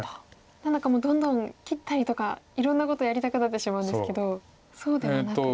何だかもうどんどん切ったりとかいろんなことやりたくなってしまうんですけどそうではなく。